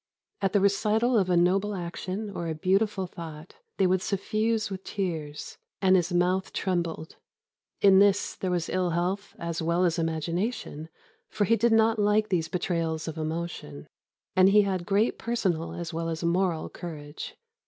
At the recital of a noble action, or a beautiful thought, they would suffuse with tears, and his mouth trembled. In this there was ill health as well as imagination, for he did not like these betrayals of emotion; and he had great personal as well as moral courage.